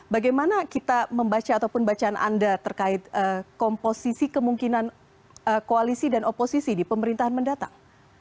bagaimana kita membaca ataupun bacaan anda terkait komposisi kemungkinan koalisi dan oposisi di pemerintahan mendatang